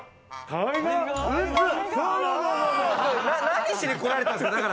何しに来られたんですか？